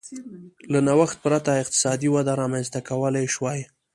له نوښت پرته اقتصادي وده رامنځته کولای شوای.